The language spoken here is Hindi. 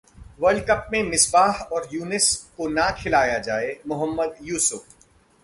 वर्ल्ड कप में मिसबाह और यूनिस को ना खिलाया जाएः मोहम्मद यूसुफ